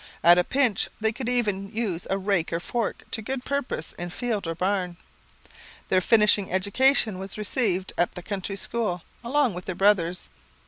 At a pinch, they could even use a rake or fork to good purpose in field or barn. Their finishing education was received at the country school along with their brothers.